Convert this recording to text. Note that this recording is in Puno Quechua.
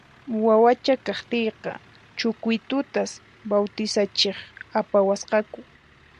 Wawacha kaqtiyqa Chucuitutas bawtisachiq apayuwasqaku